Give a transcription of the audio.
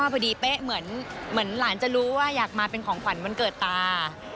เป๊ะเหมือนหลานจะรู้ว่าอยากมาเป็นของขวัญวันเกิดตา